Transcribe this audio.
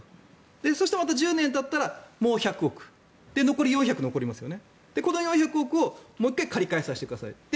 そして、１０年たったらもう１００億円４００億円残りますからこの４００億円をまた借り換えさせてくださいと。